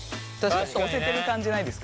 押せてる感じないですか？